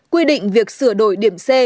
quy định việc sửa đổi điểm c